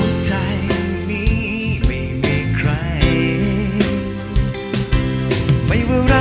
ขอเชิญอาทิตย์สำคัญด้วยค่ะ